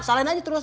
salahin aja terus